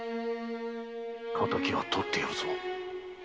敵はとってやるぞ